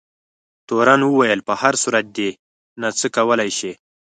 تورن وویل په هر صورت دی نه څه کولای شي.